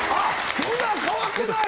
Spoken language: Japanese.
福長変わってない。